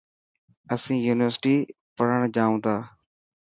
اسين يونيورسٽي پڙهڻ جائون ٿا.